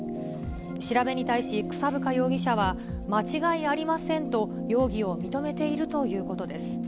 調べに対し草深容疑者は、間違いありませんと容疑を認めているということです。